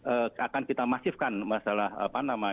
ya ya tentunya ini akan kita masifkan masalah apa namanya